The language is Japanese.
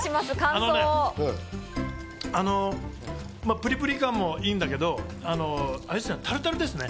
プリプリ感もいいんだけど、タルタルですね。